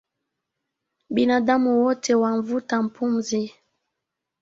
Binadamu wote wavuta pumzi